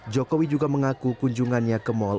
jokowi juga mengaku kunjungannya ke mal